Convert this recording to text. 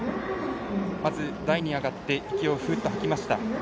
まず台に上がって息をフーッと吐きました。